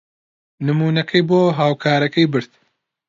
نموونەکەی بۆ هاوکارەکەی برد.